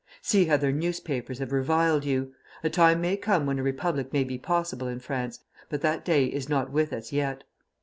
See how their newspapers have reviled you! A time may come when a republic may be possible in France; but that day is not with us yet.